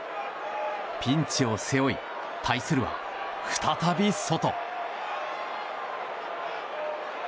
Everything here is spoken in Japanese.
ピンチを背負い対するは再び、ソト。